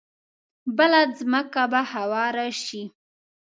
بله ځمکه به هواره شي.